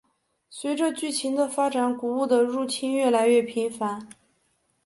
随着剧情的发展古物的入侵越来越频繁。